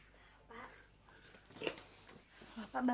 nggak ada salahnya kita terima